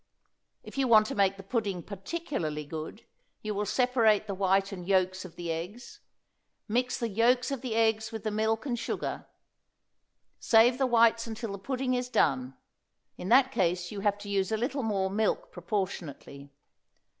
If you want to make the pudding particularly good you will separate the white and yolks of the eggs, mix the yolks of the eggs with the milk and sugar; save the whites until the pudding is done; in that case you have to use a little more milk proportionately.